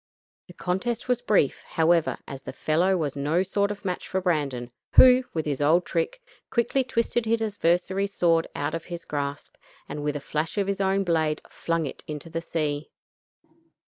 The contest was brief, however, as the fellow was no sort of match for Brandon, who, with his old trick, quickly twisted his adversary's sword out of his grasp, and with a flash of his own blade flung it into the sea.